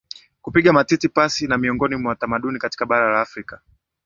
Kupiga matiti pasi ni miongoni mwa tamaduni katika bara la Afrika